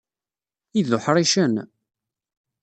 Ay d uḥṛicen!